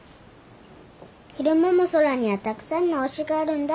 昼間も空にはたくさんの星があるんだ。